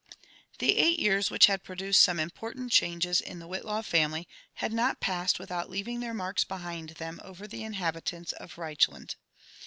The eight years whioh had produced sudi important ehangee in the Whitlaw family, bad not passed without leaving their teiarks behind them over the inhabitants of Reichland.